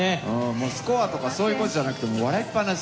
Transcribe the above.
もうスコアとかそういうものじゃなくて、笑いっぱなし。